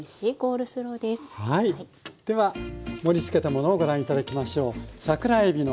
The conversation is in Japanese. では盛りつけたものをご覧頂きましょう。